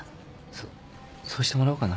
そそうしてもらおうかな。